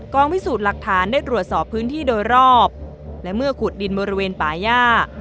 พิสูจน์หลักฐานได้ตรวจสอบพื้นที่โดยรอบและเมื่อขุดดินบริเวณป่าย่า